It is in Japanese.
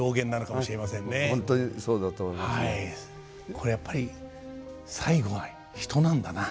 これやっぱり最後は人なんだな。